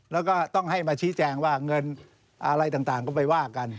แล้วก็ต้องให้มาชี้แจงว่าเงินอะไรต่างก็ไปว่ากัน